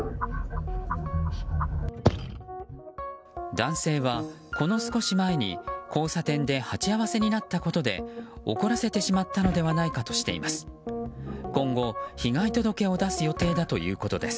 男性は、この少し前に交差点で鉢合わせになったことで怒らせてしまったのではないかとしています。